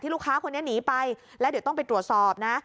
ลูกค้าคนนี้หนีไปแล้วเดี๋ยวต้องไปตรวจสอบนะ